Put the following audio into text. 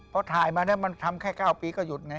พอถ่ายมาทำแค่๙ปีก็หยุดไง